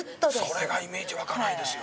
それがイメージ湧かないですよ。